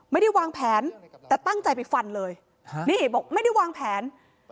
ไม่ได้วางแผนแต่ตั้งใจไปฟันเลยนี่บอกไม่ได้วางแผน